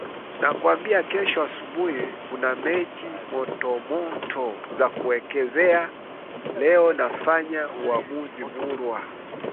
Nakwambia kesho asubuhi kuna mechi motomoto za kuwekezea, leo nafanya uamuzi murwa